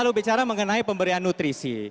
kalau bicara mengenai pemberian nutrisi